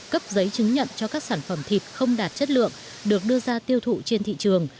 cấp giấy chứng nhận cho các sản phẩm thịt không đạt chất lượng được đưa ra tiêu thụ trên thị trường